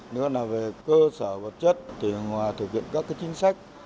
nước là về cơ sở vật chất thì thực hiện các cái chính sách